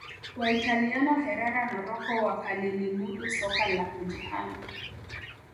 Waitaliano Herera na Rocco wakalilimudu soka la kujihami